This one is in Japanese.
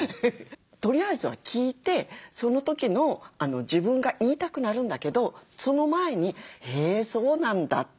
とりあえずは聞いてその時の自分が言いたくなるんだけどその前に「へーそうなんだ」って。